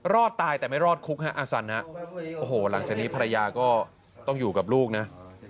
รอดตายแต่ไม่รอดคุกฮะอาสันฮะโอ้โหหลังจากนี้ภรรยาก็ต้องอยู่กับลูกนะ